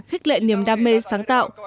khích lệ niềm đam mê sáng tạo